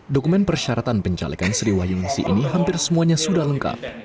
dokumen persyaratan pencalekan sriwayungsi ini hampir semuanya sudah lengkap